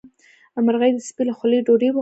مرغۍ د سپي له خولې ډوډۍ وغلا کړه.